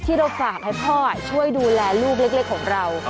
เราฝากให้พ่อช่วยดูแลลูกเล็กของเรา